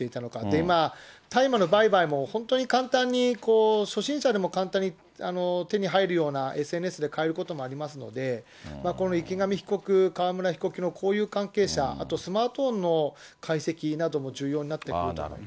今、大麻の売買も本当に簡単に、初心者でも簡単に手に入るような、ＳＮＳで買えることもありますので、この池上被告、川村被告の交友関係者、あとスマートフォンの解析なども重要になってくるだろうと。